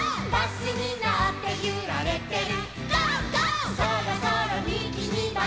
「バスにのってゆられてる」